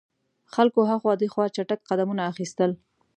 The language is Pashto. خلکو هاخوا دیخوا چټګ قدمونه اخیستل.